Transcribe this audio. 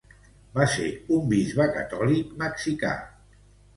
Va ser un bisbe catòlic mexicà.